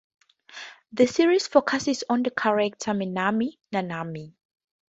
The series focuses on the character Minami Nanami.